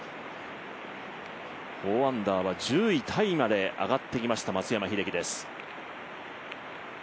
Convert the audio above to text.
４アンダーは１０位タイまで上がってきた松山英樹です。